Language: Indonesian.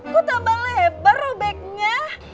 kok tambah lebar robeknya